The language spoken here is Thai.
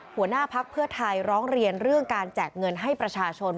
หัวหน้าพักเพื่อไทยร้องเรียนเรื่องการแจกเงินให้ประชาชน